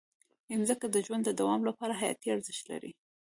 مځکه د ژوند د دوام لپاره حیاتي ارزښت لري.